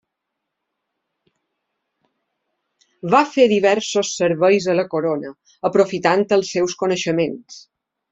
Va fer diversos serveis a la corona aprofitant els seus coneixements.